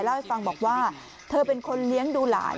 เล่าให้ฟังบอกว่าเธอเป็นคนเลี้ยงดูหลาน